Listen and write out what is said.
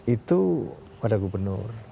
itu kepada gubernur